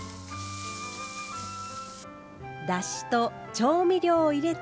だしと調味料を入れたら。